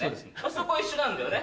そこは一緒なんだよね